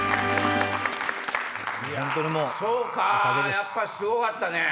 やっぱすごかったね。